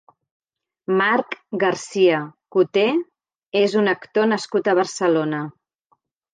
Marc García Coté és un actor nascut a Barcelona.